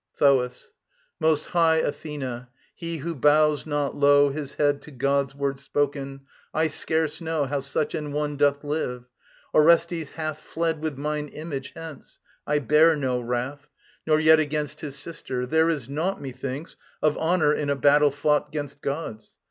THOAS. Most high Athena, he who bows not low His head to God's word spoken, I scarce know How such an one doth live. Orestes hath Fled with mine Image hence ... I bear no wrath. Nor yet against his sister. There is naught, Methinks, of honour in a battle fought 'Gainst gods.